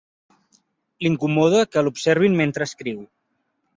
L'incomoda que l'observin mentre escriu.